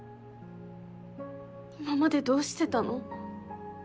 今までどうしてたの？